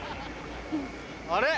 あれ？